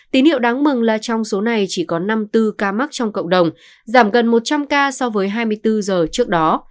tín hiệu đáng mừng là trong số này chỉ có năm mươi bốn ca mắc trong cộng đồng giảm gần một trăm linh ca so với hai mươi bốn giờ trước đó